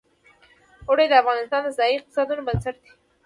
اوړي د افغانستان د ځایي اقتصادونو بنسټ دی.